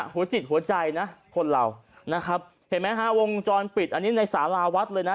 หัวจิตหัวใจนะคนเรานะครับเห็นไหมฮะวงจรปิดอันนี้ในสาราวัดเลยนะ